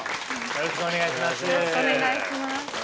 よろしくお願いします。